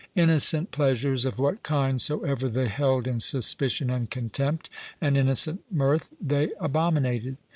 Innocent pleasures of what kind soever they held in suspicion and contempt, and innocent mirth they abominated.